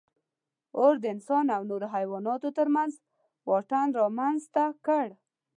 اور د انسان او نورو حیواناتو تر منځ واټن رامنځ ته کړ.